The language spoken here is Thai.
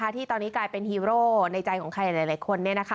ที่ตอนนี้กลายเป็นฮีโร่ในใจของใครหลายคน